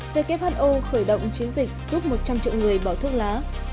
về kế phát ô khởi động chiến dịch giúp một trăm linh triệu người bỏ thước lá